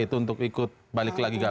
itu untuk ikut balik lagi ke abu